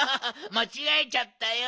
まちがえちゃったよ。